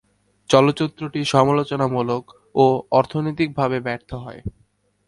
চলচ্চিত্রটি সমালোচনামূলক ও আর্থিকভাবে ব্যর্থ হয়।